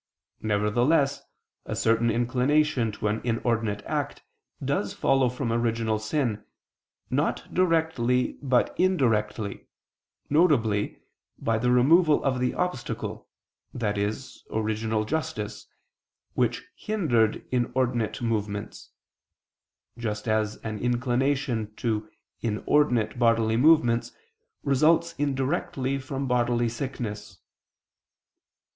Nevertheless a certain inclination to an inordinate act does follow from original sin, not directly, but indirectly, viz. by the removal of the obstacle, i.e. original justice, which hindered inordinate movements: just as an inclination to inordinate bodily movements results indirectly from bodily sickness.